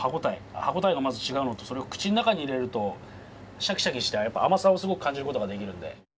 歯応えがまず違うのとそれを口の中に入れるとシャキシャキしてやっぱ甘さをすごく感じることができるんで。